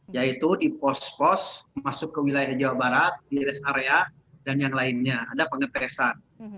yaitu di pos pos masuk ke wilayah jawa barat di rest area dan yang lainnya ada pengetesan